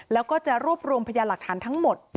แล้วก็จะรวบรวมพยานหลักฐานทั้งหมด